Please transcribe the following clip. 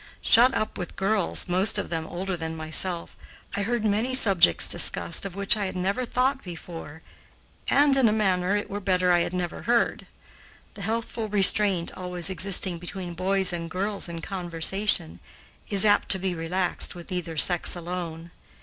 Shut up with girls, most of them older than myself, I heard many subjects discussed of which I had never thought before, and in a manner it were better I had never heard. The healthful restraint always existing between boys and girls in conversation is apt to be relaxed with either sex alone.